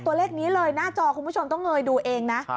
ตัวเลขนี้เลยหน้าจอคุณผู้ชมต้องเงยดูเองนะ